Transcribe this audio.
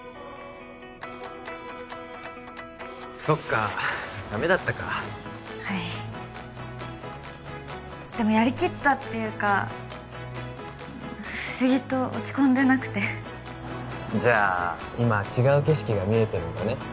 そっかダメだったかはいでもやりきったっていうか不思議と落ち込んでなくてじゃあ今違う景色が見えてるんだね